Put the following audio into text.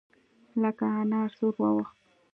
لکه انار سور واوښت.